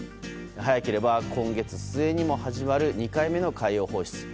早ければ今月末にも始まる２回目の海洋放出。